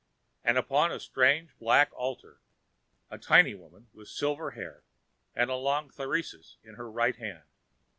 And upon a strange black altar, a tiny woman with silver hair and a long thyrsus in her right hand.